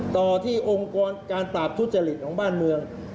ต่อที่องค์กรการปราบทุจริตของบ้านเมือง